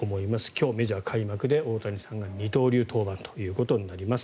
今日、メジャー開幕で大谷さんが二刀流登板となります。